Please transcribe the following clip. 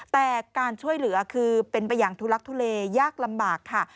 แต่การช่วยเหลือคือเป็นไปอย่างทุลักทุเลยากลำบากค่ะ